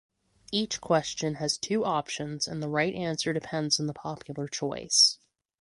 Each question has two options and the right answer depends on the popular choice.